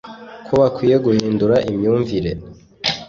ko bakwiye guhindura imyumvire